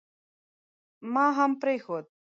مې هم پرېښود.